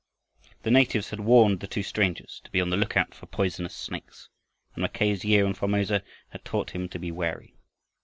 The natives had warned the two strangers to be on the lookout for poisonous snakes, and Mackay's year in Formosa had taught him to be wary.